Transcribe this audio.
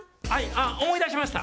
あっ思い出しました。